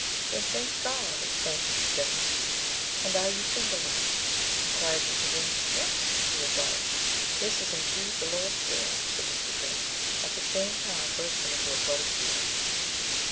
"Then, thank God!" exclaimed Mrs. Devenant. "And are you single now?" inquired Mr. Green. "Yes," she replied. "This is indeed the Lord's doings," said Mr. Green, at the same time bursting into a flood of tears. Mr.